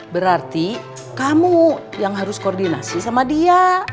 berarti kamu yang harus koordinasi sama dia